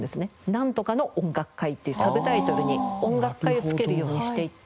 「なんとかの音楽会」っていうサブタイトルに「音楽会」をつけるようにしていって。